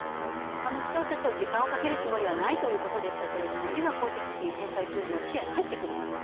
北尾社長、時間をかけるつもりはないということでしたが、公的資金返済というのは視野に入ってくる。